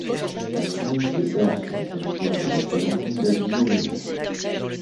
La présence des Serbes sur le territoire de l'actuelle Hongrie date du Moyen Âge.